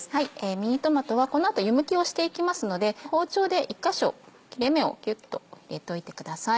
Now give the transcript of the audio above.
ミニトマトはこの後湯むきをしていきますので包丁で１か所切れ目をキュっと入れといてください。